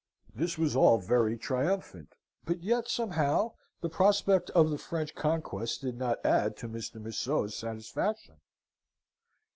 "This was all very triumphant: but yet, somehow, the prospect of the French conquest did not add to Mr. Museau's satisfaction.